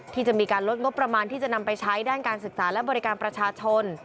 ที่จะมีการลดงบประมาณที่จะนำไปใช้ด้านการศึกษาและบริการประชาชน